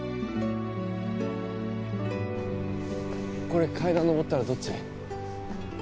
これ階段上ったらどっち？